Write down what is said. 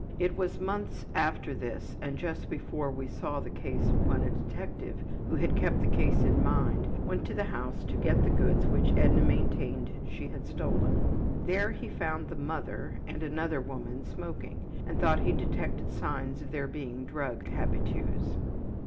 It was months after this and just before we saw the case when a detective, who had kept the case in mind, went to the house to get the goods which Edna maintained had been stolen. There he found the ``mother'' and another woman smoking and thought he detected signs of their being drug habitues.